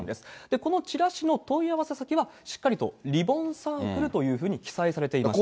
このチラシの問い合わせ先は、しっかりとリボンサークルというふうに記載されていました。